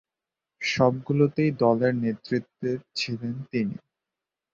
সবগুলোতেই দলের নেতৃত্বে ছিলেন তিনি।